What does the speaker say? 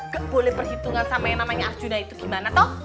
kek boleh perhitungan sama yang namanya arjuna itu gimana toh